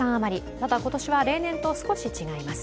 ただ、今年は例年と少し違います。